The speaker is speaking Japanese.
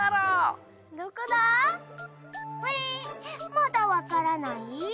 まだわからない？